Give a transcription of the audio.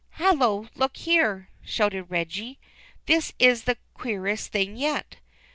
"Hallo, look here!" shouted Reggie. "This is the queerest thing yet.